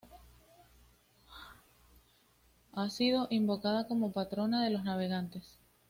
Ha sido invocada como patrona de los navegantes.